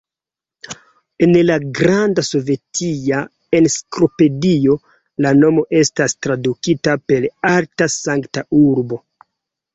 En la Granda Sovetia Enciklopedio la nomo estas tradukita per "alta, sankta urbo".